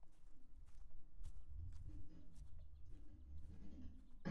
بے مثال حسن کو دیکھ کر آنے والے قدرت کی صناعی کی داد دئے بغیر نہیں رہ پاتے ۔